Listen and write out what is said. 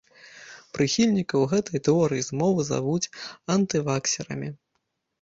Прыхільнікаў гэтай тэорыі змовы завуць антываксерамі.